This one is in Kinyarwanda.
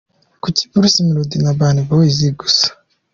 Kuki Bruce Melody na Urban Boyz gusa?.